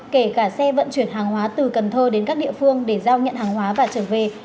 kể cả xe vận chuyển hàng hóa từ cần thơ đến các địa phương để giao nhận hàng hóa và trở về